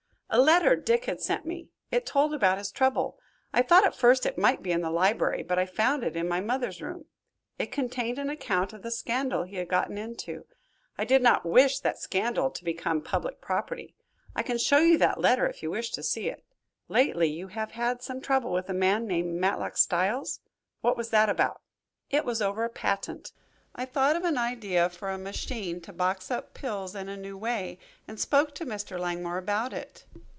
"A letter Dick had sent me. It told about his trouble. I thought at first it might be in the library, but I found it in my mother's room. It contained an account of the scandal he had gotten into. I did not wish that scandal to become public property. I can show you that letter if you wish to see it." "Lately you have had some trouble with a man named Matlock Styles. What was that about?" "It was over a patent. I thought of an idea for a machine to box up pills in a new way, and spoke to Mr. Langmore about it.